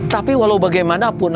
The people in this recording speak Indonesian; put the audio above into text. tapi walau bagaimanapun